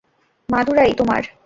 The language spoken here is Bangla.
মাদুরাই - তোমার?